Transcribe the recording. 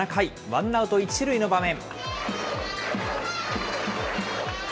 ワンアウト１塁の場面。